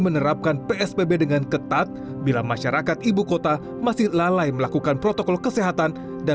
menerapkan psbb dengan ketat bila masyarakat ibu kota masih lalai melakukan protokol kesehatan dan